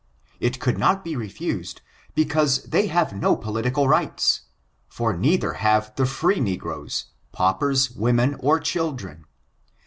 It could not be refused, because they have no political rights, for neither have the free negroes, paupers, women, or children.